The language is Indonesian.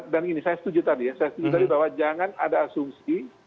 dan ini saya setuju tadi ya saya setuju tadi bahwa jangan ada asumsi